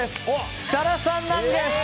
設楽さんなんです！